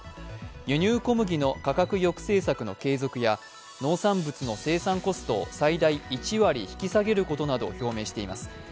輸入小麦の価格抑制策の継続や農産物の生産コストを最大１割引き下げることなどを表明しています。